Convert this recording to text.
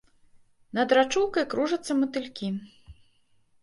Над рачулкай кружацца матылькі.